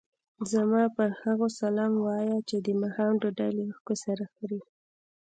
زما پر هغو سلام وایه چې د ماښام ډوډۍ له اوښکو سره خوري.